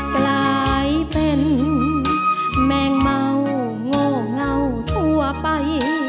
กลายเป็นแมงเมาโง่เงาทั่วไป